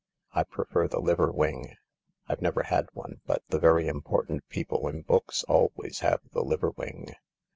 I prefer the liver wing. I've never had one, but the important people in books always have the liver wing.